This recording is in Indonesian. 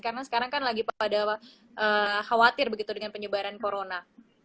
karena sekarang kan lagi pada khawatir begitu dengan penyebaran corona